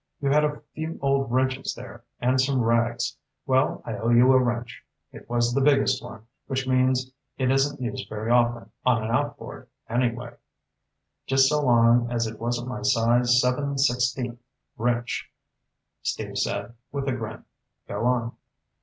You had a few old wrenches there, and some rags. Well, I owe you a wrench. It was the biggest one, which means it isn't used very often on an outboard, anyway." "Just so long as it wasn't my size seven sixteenths wrench," Steve said with a grin. "Go on."